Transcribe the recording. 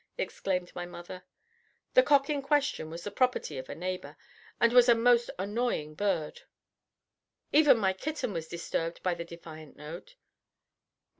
exclaimed my mother. The cock in question was the property of a neighbor, and was a most annoying bird. Even my kitten was disturbed by the defiant note.